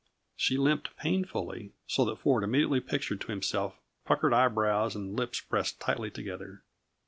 She limped painfully, so that Ford immediately pictured to himself puckered eyebrows and lips pressed tightly together.